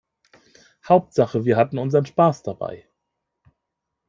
Hauptsache wir hatten unseren Spaß dabei.